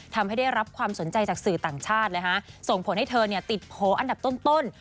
ทำให้ได้รับความสนใจจากสื่อต่างชาติส่งผลให้เธอเนี่ยติดโผล่อันดับต้น